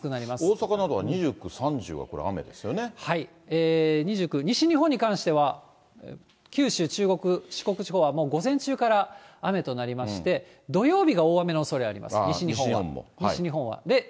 大阪などは２９、３０はこれ、２９、西日本に関しては、九州、中国、四国地方はもう午前中から雨となりまして、土曜日が大雨のおそれあります。